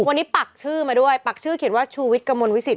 วันนี้ปักชื่อมาด้วยปักชื่อเขียนว่าชูวิทย์กระมวลวิสิต